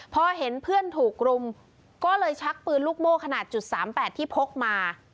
พอเห็นเพื่อนถูกรุมก็เลยชักปืนลูกโม่ขนาด๓๘ที่พกมา